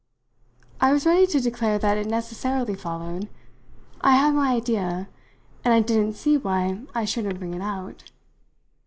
I was ready to declare that it necessarily followed. I had my idea, and I didn't see why I shouldn't bring it out.